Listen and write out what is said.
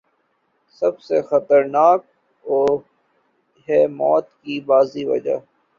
سب سے خطرناک ونٹیلیٹر ہے موت کی بڑی وجہ ۔